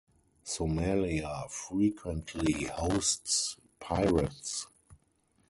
Somalia frequently hosts pirates.